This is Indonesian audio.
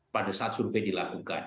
pada saat survei dilakukan